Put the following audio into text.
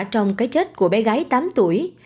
trong cái chết của bé gái tám tuổi